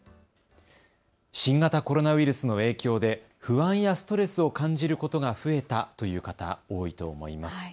新型コロナウイルスの影響で不安やストレスを感じることが増えたという方、多いと思います。